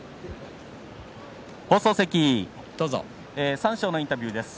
三賞のインタビューです。